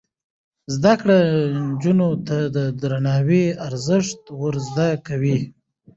زده کړه نجونو ته د درناوي ارزښت ور زده کوي.